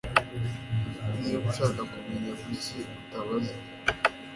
Niba ushaka kumenya, kuki utabaza ?